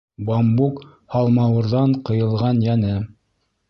— Бамбук һалмауырҙан ҡыйылған йәне.